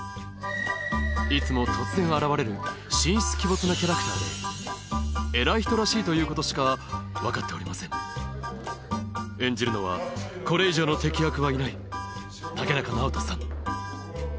いつも突然現れる神出鬼没なキャラクターで偉い人らしいということしか分かっておりません演じるのはこれ以上の適役はいない